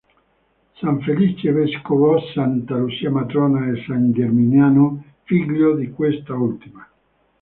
San Felice vescovo, Santa Lucia matrona e San Geminiano, figlio di quest'ultima.